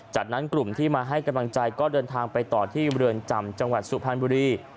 จากนั้นกลุ่มที่มาให้กำลังใจก็เดินทางไปต่อที่เรือนจำจังหวัดสุพรรณบุรี